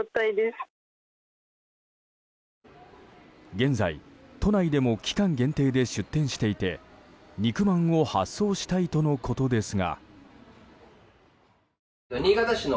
現在都内でも期間限定で出店していて肉まんを発送したいとのことですが。